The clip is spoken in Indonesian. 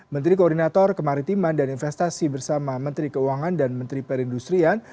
menteri koordinator kemaritiman dan investasi bersama menteri keuangan dan menteri perindustrian